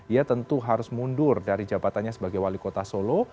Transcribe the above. ia tentu harus mundur dari jabatannya sebagai wali kota solo